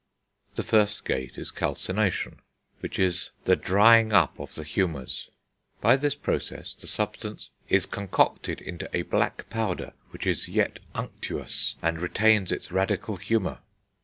The first gate is Calcination, which is "the drying up of the humours"; by this process the substance "is concocted into a black powder which is yet unctuous, and retains its radical humour."